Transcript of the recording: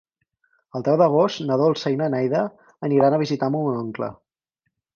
El deu d'agost na Dolça i na Neida aniran a visitar mon oncle.